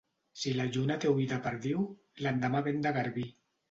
Si la lluna té ull de perdiu, l'endemà vent de garbí.